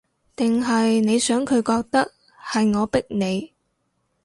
定係你想佢覺得，係我逼你